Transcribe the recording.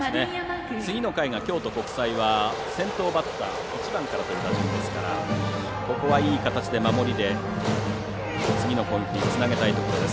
次の回が京都国際は先頭バッター、１番からという打順ですからここはいい形で守りで次の攻撃につなげたいところです。